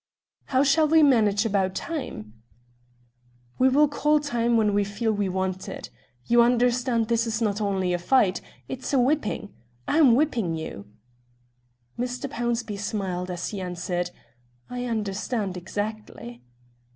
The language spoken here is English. "How shall we manage about time?" "We will call time when we feel we want it. You understand, this is not only a fight; it's a whipping. I'm whipping you." Mr. Pownceby smiled as he answered: "I understand exactly."